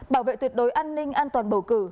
bảo vệ tuyệt đối an ninh an toàn bầu cử